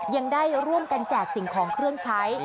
ยังได้ร่วมกันแจกสิ่งของเครื่องใช้